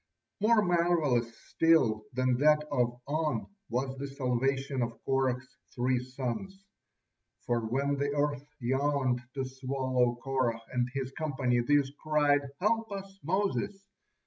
More marvelous still than that of On was the salvation of Korah's three sons. For when the earth yawned to swallow Korah and his company, these cried: "Help us, Moses!"